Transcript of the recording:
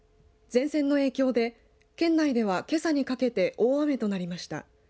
前線の影響で県内では、けさにかけて大雨となりました。